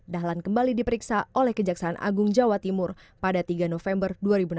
dahlan kembali diperiksa oleh kejaksaan agung jawa timur pada tiga november dua ribu enam belas